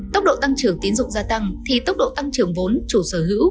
tốc độ tăng trưởng tiến dụng gia tăng thì tốc độ tăng trưởng vốn chủ sở hữu